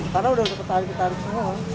karena udah ketarik ketarik semua